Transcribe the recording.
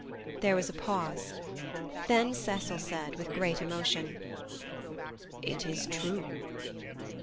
There was a pause. Then Cecil said with great emotion: "It is true."